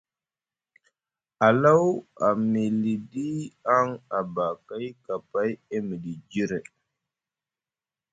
Alaw a miliɗi aŋ abakay ɓa kapay e miɗi jre.